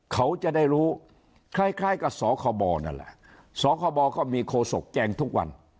เขาจะได้รู้คล้ายกับสคบนั่นแหละสคบก็มีโคศกแจงทุกวัน